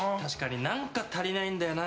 何か足りないんだよな